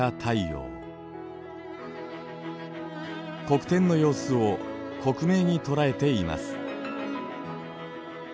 黒点の様子を克明に捉えています。